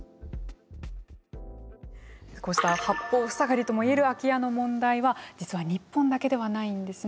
こうした八方塞がりとも言える空き家の問題は実は日本だけではないんですね。